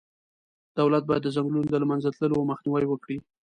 دولت باید د ځنګلونو د له منځه تللو مخنیوی وکړي.